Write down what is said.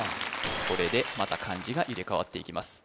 これでまた漢字が入れ替わっていきます